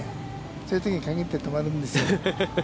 そういうときに限って止まるんですよ。